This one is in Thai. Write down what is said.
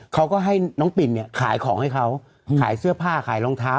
เขาก็ให้น้องปิ่นเนี่ยขายของให้เขาขายเสื้อผ้าขายรองเท้า